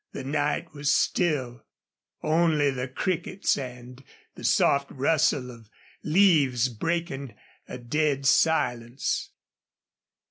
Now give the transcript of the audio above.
The night was still, only the crickets and the soft rustle of leaves breaking a dead silence.